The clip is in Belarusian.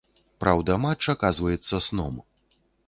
Праўда, матч аказваецца сном.